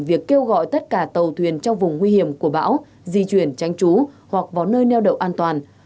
việc kêu gọi tất cả tàu thuyền trong vùng nguy hiểm của bão di chuyển tránh trú hoặc vào nơi neo đậu an toàn